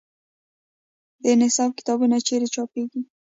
د نصاب کتابونه چیرته چاپیږي؟